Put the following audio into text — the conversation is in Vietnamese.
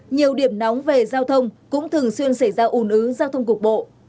nhiều điểm nóng về giao thông cũng thường xuyên xảy ra ủn ứ giao thông cục bộ